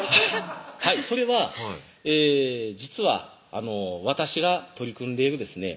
それは実は私が取り組んでいるですね